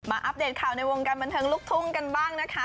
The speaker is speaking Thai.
อัปเดตข่าวในวงการบันเทิงลูกทุ่งกันบ้างนะคะ